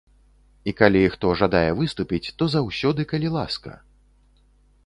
І калі хто жадае выступіць, то заўсёды калі ласка.